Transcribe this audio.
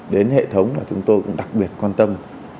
đến hệ thống là chúng tôi cũng đặc biệt quan tâm